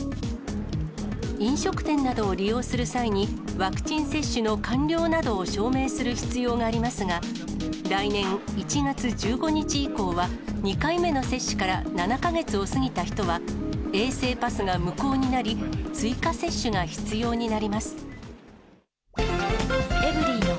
飲食店などを利用する際に、ワクチン接種の完了などを証明する必要がありますが、来年１月１５日以降は、２回目の接種から７か月を過ぎた人は、衛生パスが無効になり、追加接種が必要になります。